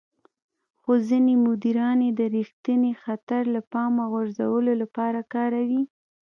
خو ځينې مديران يې د رېښتيني خطر له پامه غورځولو لپاره کاروي.